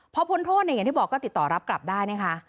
พอพ้นโทษเนี่ยอย่างที่บอกก็ติดต่อรับกลับได้นะคะ